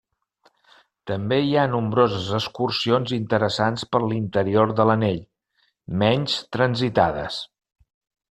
També hi ha nombroses excursions interessants per l'interior de l'anell, menys transitades.